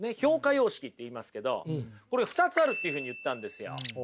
様式って言いますけどこれ２つあるっていうふうに言ったんですよ。